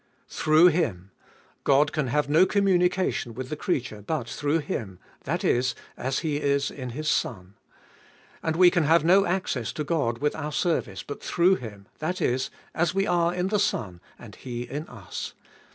1. Through Him ! God can have no communication with the creature but through Him, that is, as He is In His Son. And we can have no access to God with our service but through Him, that is, as we are in the Son, and He is in us.